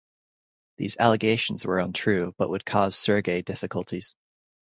These allegations were untrue, but would cause Serge difficulties.